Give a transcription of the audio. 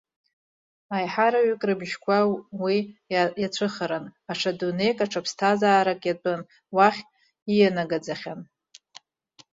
Аиҳараҩык рыбжьқәа уи иацәыхаран, аҽа дунеик, аҽа ԥсҭазаарак иатәын, уахь иианагаӡахьан.